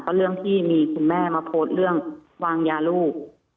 ก็เรื่องที่มีคุณแม่มาโพสต์เรื่องวางยาลูก